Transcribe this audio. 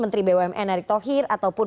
menteri bumn erick thohir ataupun